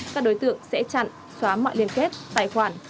các đối tượng sẽ chặn xóa mọi liên kết tài khoản